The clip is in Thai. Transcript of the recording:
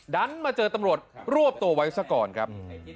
ดันมาเจอตำรวจรวบตัวไว้ซะก่อนครับ